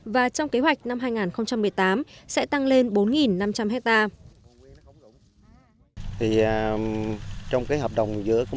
và trong kế hoạch năm hai nghìn một mươi tám sẽ tăng lên bốn năm trăm linh hectare